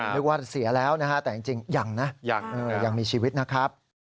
นึกว่าเสียแล้วนะฮะแต่จริงยังนะยังมีชีวิตนะครับ